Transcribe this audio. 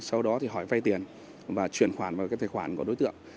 sau đó hỏi phai tiền và chuyển khoản vào tài khoản của đối tượng